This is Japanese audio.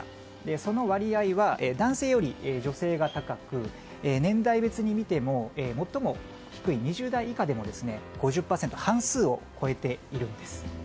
その割合は男性より女性が高く年代別に見ても最も低い２０代以下でも５０％、半数を超えているんです。